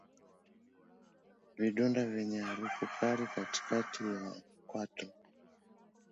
Vidonda vyenye harufu kali katikati ya kwato